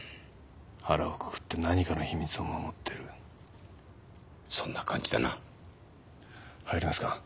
腹をくくって何かの秘密を守ってるそんな感じだな入りますか？